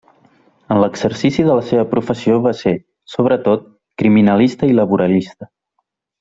En l'exercici de la seva professió va ser, sobretot, criminalista i laboralista.